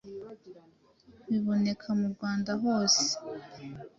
biboneka mu Rwanda hose